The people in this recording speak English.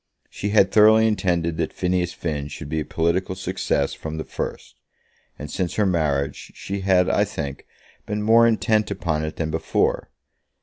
She had thoroughly intended that Phineas Finn should be a political success from the first; and since her marriage, she had, I think, been more intent upon it than before.